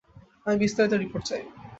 আমি বিস্তারিত রিপোর্ট চাই।